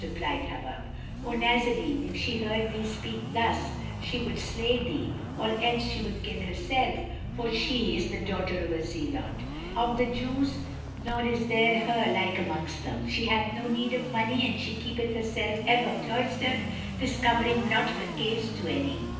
Replied Hubub, "O Nazarene, if she heard thee speak thus, she would slay thee, or else she would kill herself, for she is the daughter of a Zealot[FN#318] of the Jews nor is there her like amongst them: she hath no need of money and she keepeth herself ever cloistered, discovering not her case to any."